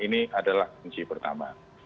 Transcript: ini adalah kunci pertama